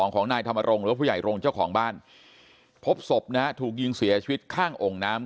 ของนายธรรมรงค์หรือว่าผู้ใหญ่โรงเจ้าของบ้านพบศพนะฮะถูกยิงเสียชีวิตข้างองค์น้ำ